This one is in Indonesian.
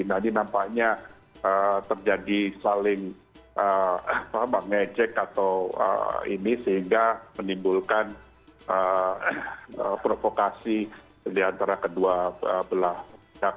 nah ini nampaknya terjadi saling mengejek atau ini sehingga menimbulkan provokasi diantara kedua belah pihak